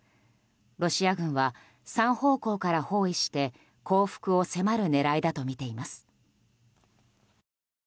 ロシア軍は３方向から包囲して降伏を迫る狙いだとみています。